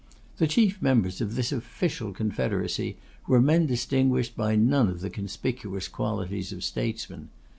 The chief members of this official confederacy were men distinguished by none of the conspicuous qualities of statesmen.